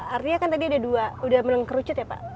artinya kan tadi ada dua sudah menengkerucut ya pak